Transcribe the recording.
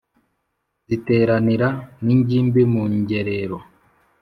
Ziteranira n’ingimbi mu ngerero